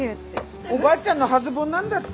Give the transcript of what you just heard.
おばあちゃんの初盆なんだって？